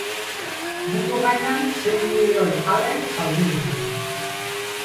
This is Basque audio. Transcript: Mundu mailan sei milioi ale saldu ditu.